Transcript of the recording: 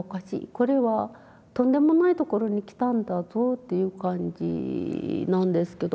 これはとんでもないところに来たんだぞっていう感じなんですけど。